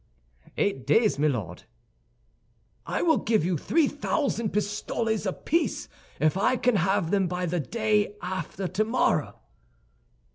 "Eight days, my Lord." "I will give you three thousand pistoles apiece if I can have them by the day after tomorrow."